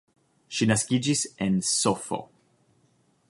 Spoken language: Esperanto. Ŝi naskiĝis en Sf.